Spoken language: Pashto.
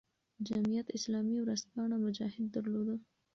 جمعیت اسلامي ورځپاڼه "مجاهد" درلوده.